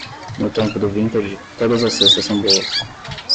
No tempo do vintage, todas as cestas são boas.